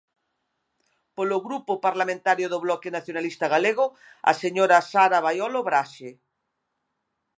Polo Grupo Parlamentario do Bloque Nacionalista Galego, a señora Sara Baiolo Braxe.